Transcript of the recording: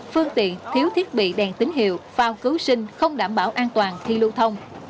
phương tiện thiếu thiết bị đèn tín hiệu phao cứu sinh không đảm bảo an toàn khi lưu thông